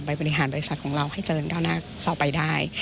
บริหารบริษัทของเราให้เจริญก้าวหน้าต่อไปได้